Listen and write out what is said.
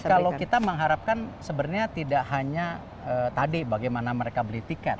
jadi kalau kita mengharapkan sebenarnya tidak hanya tadi bagaimana mereka beli tiket